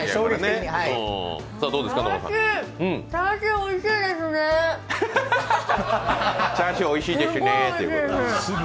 おいしい、チャーシューおいしいですね。